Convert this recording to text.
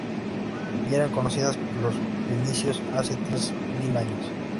Ya eran conocidas por los fenicios hace tres mil años.